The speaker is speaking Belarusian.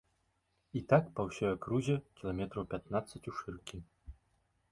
І так па ўсёй акрузе кіламетраў пятнаццаць ушыркі.